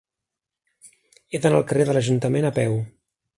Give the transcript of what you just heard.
He d'anar al carrer de l'Ajuntament a peu.